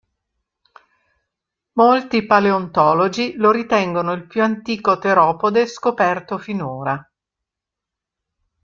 Molti paleontologi lo ritengono il più antico teropode scoperto finora.